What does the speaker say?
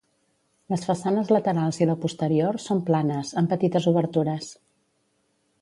Les façanes laterals i la posterior són planes, amb petites obertures.